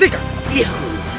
kau akan menang